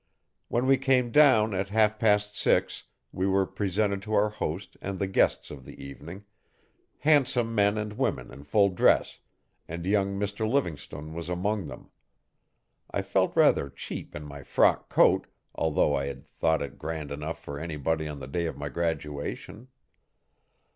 When we came down at half past six we were presented to our host and the guests of the evening handsome men and women in full dress and young Mr Livingstone was among them. I felt rather cheap in my frock coat, although I had thought it grand enough for anybody on the day of my graduation.